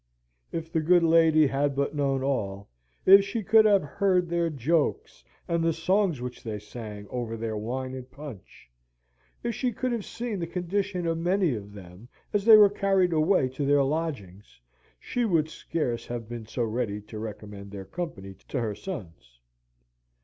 If the good lady had but known all, if she could but have heard their jokes and the songs which they sang over their wine and punch, if she could have seen the condition of many of them as they were carried away to their lodgings, she would scarce have been so ready to recommend their company to her sons.